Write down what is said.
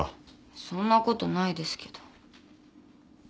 そんなことないですけど。